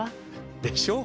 でしょう？